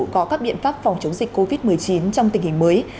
có các biện pháp phòng chống dịch covid một mươi chín trong tình hình mới